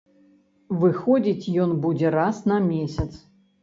Выходзіць ён будзе раз на месяц.